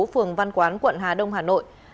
phường văn quán quận hà đông hà nội